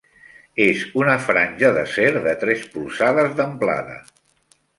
És una franja d'acer de tres polzades d'amplada.